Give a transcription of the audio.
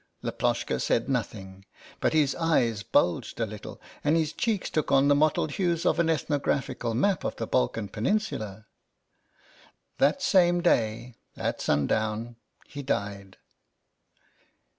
Laploshka said nothing, but his eyes bulged a little and his cheeks took on the mottled hues of an ethnographical map of the Balkan Peninsula. That same day, at sundown, he died.